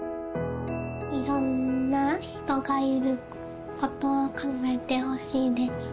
いろんな人がいることを考えてほしいです。